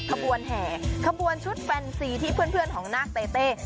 ขบวนแห่ขบวนชุดแฟนซีที่เพื่อนของนาคเต้